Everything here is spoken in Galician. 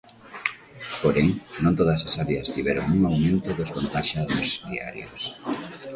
Porén, non todas as áreas tiveron un aumento dos contaxiados diarios.